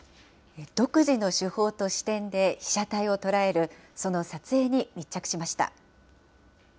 独自の手法と視点で被写体を捉える、その撮影に密着しました。